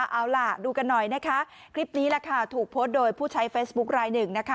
เอาล่ะดูกันหน่อยนะคะคลิปนี้แหละค่ะถูกโพสต์โดยผู้ใช้เฟซบุ๊คลายหนึ่งนะคะ